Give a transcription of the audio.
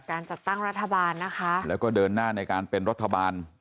จัดตั้งรัฐบาลนะคะแล้วก็เดินหน้าในการเป็นรัฐบาล